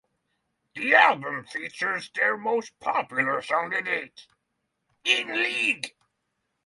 The album features their most popular song to date, "In League".